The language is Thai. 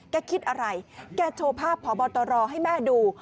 คิดอะไรแกโชว์ภาพพบตรให้แม่ดู